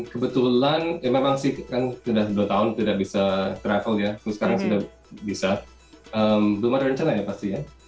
kebetulan ya memang sih kan sudah dua tahun tidak bisa travel ya terus sekarang sudah bisa belum ada rencana ya pasti ya